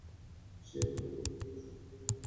সে এক অদ্ভুত জাদুর শক্তি প্রাপ্ত হয়েছে মাত্র।